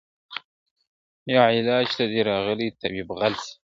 یا علاج ته دي راغلی طبیب غل سي ..